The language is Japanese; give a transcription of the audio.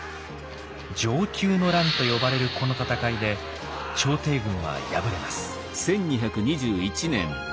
承久の乱と呼ばれるこの戦いで朝廷軍は敗れます。